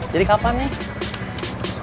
jadi kapan ya